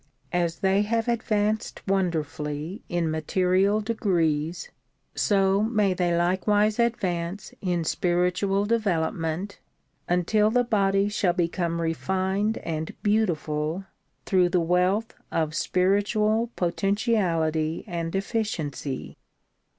As they have advanced wonderfully in material degrees so may they likewise advance in spiritual develop ment until the body shall become refined and beautiful through the wealth of spiritual potentiality and efficiency.